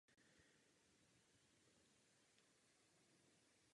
Bomber Squadron.